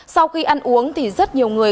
sau khi ăn uống thì rất nhiều người